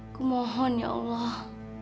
aku mohon ya allah